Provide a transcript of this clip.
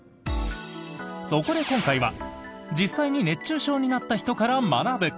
そこで今回は実際に熱中症になった人から学ぶ。